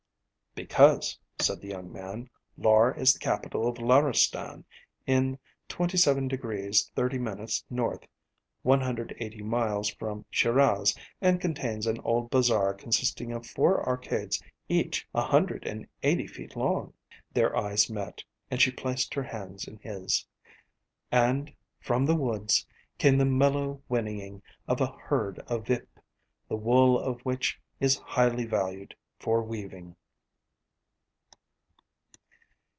"Because," said the young man, "Lar is the capital of Laristan, in 27 degrees, 30 minutes N., 180 miles from Shiraz, and contains an old bazaar consisting of four arcades each 180 feet long." Their eyes met, and she placed her hands in his. And, from the woods, came the mellow whinnying of a herd of vip, the wool of which is highly valued for weaving.